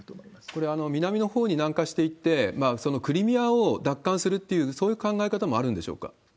これは南のほうに南下していって、クリミアを奪還するっていう、そういう考え方もあるんでしょうか。